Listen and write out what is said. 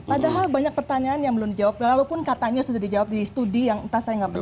padahal banyak pertanyaan yang belum dijawab walaupun katanya sudah dijawab di studi yang entah saya nggak perlu